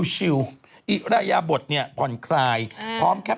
จากธนาคารกรุงเทพฯ